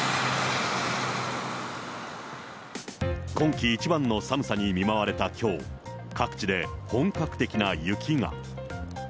今季一番の寒さに見舞われたきょう、各地で本格的な雪が。